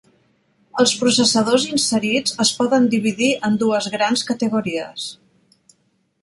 Els processadors inserits es poden dividir en dues grans categories.